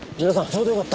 ちょうどよかった。